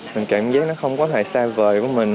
mình cảm giác nó không có thể xa vời với mình